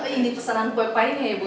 ini pesanan kue pai ini ya bu